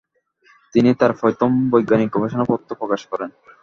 তিনি তাঁর প্রথম বৈজ্ঞানিক গবেষণা পত্র প্রকাশ করেন।